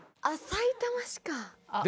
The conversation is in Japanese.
さいたま市か。